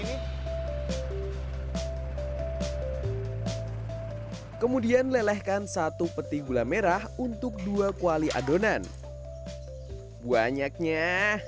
hai kemudian melelehkan satu peti gula merah untuk dua kwali adonan banyaknya